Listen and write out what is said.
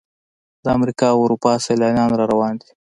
د امریکا او اروپا سیلانیان را روان دي.